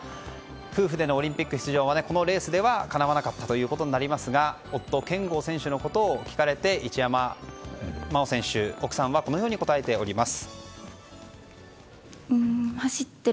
夫婦でのオリンピック出場はこのレースではかなわなかったということになりますが夫・健吾選手のことを聞かれて一山麻緒選手、奥様はこのようにお答えています。